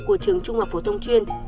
của trường trung học phổ thông chuyên